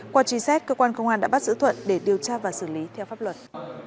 qua truy xét cơ quan công an đã bắt giữ thuận để điều tra và xử lý theo pháp luật